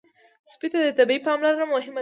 سپي ته طبي پاملرنه مهمه ده.